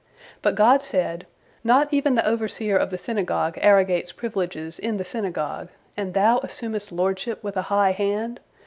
But God said, "Not even the overseer of the synagogue arrogates privileges in the synagogue, and thou assumest lordship with a high hand?